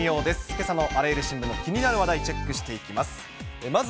けさのあらゆる新聞の気になる話題、チェックしていきます。